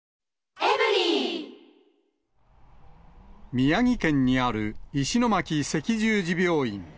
宮城県にある石巻赤十字病院。